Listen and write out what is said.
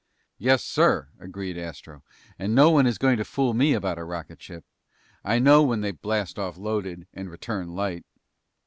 "Yes, sir," agreed Astro, "and no one is going to fool me about a rocket ship. I know when they blast off loaded and return light."